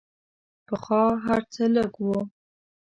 پخوا هر څه لږ وو.